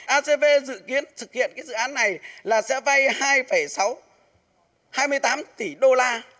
acv dự kiến thực hiện cái dự án này là sẽ vay hai sáu trăm hai mươi tám tỷ đô la